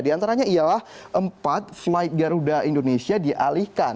di antaranya ialah empat flight garuda indonesia dialihkan